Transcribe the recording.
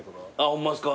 ホンマですか？